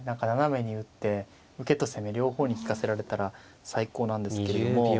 斜めに打って受けと攻め両方に利かせられたら最高なんですけれども。